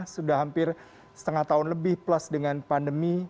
sudah hampir setengah tahun lebih plus dengan pandemi